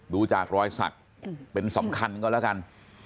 ดูจากรอยสักเป็นสำคัญก็แล้วกัน